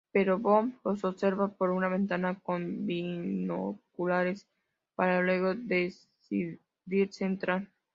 Pero Bond los observa por una ventana con binoculares, para luego decidirse entrar.